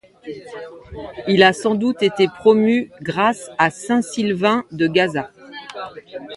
Il a sans doute été promue grâce à Saint-Sylvain de Gaza.